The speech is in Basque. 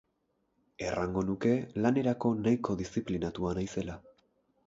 Errango nuke lanerako nahiko diziplinatua naizela.